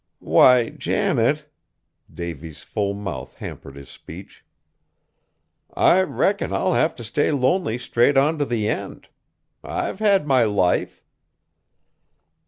"Why, Janet," Davy's full mouth hampered his speech, "I reckon I'll have t' stay lonely straight on t' the end. I've had my life."